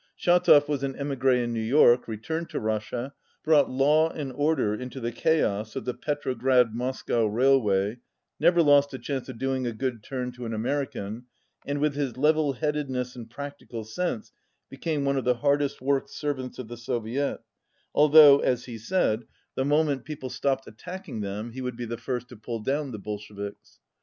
Shatov was an emigre in New York, returned to Russia, brought law and order into the chaos of the Petrograd Moscow rail way, never lost a chance of doing a good turn to an American, and with his level headedness and prac tical sense became one of the hardest worked serv ants of the Soviet, although, as he said, the mo 231 ment people stopped attacking them he would be the first to pull down the Bolsheviks.